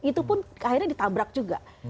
itu pun akhirnya ditabrak juga